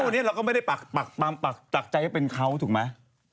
ตรงนี้เราก็ไม่ได้ปากใจเป็นเขาถูกไหม